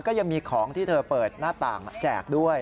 ก็ยังมีของที่เธอเปิดหน้าต่างแจกด้วย